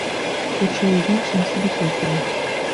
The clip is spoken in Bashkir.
Күрше өйҙән Шәмсебикә сыға.